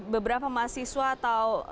beberapa mahasiswa atau